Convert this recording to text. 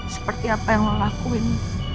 seperti apa yang mau lakuin